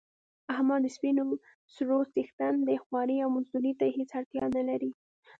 احمد د سپینو سرو څښتن دی خوارۍ او مزدورۍ ته هېڅ اړتیا نه لري.